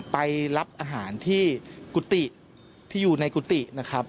ไปรับอาหารที่กุฏิที่อยู่ในกุฏินะครับ